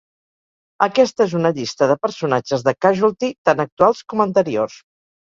Aquesta és una llista de personatges de "Casualty", tant actuals com anteriors.